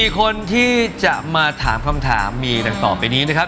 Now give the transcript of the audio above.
๔คนที่จะมาถามคำถามมีดังต่อไปนี้นะครับ